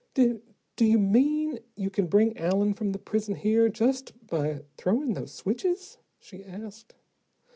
"Do do you mean you can bring Allen from the prison here just by throwing those switches?" she asked.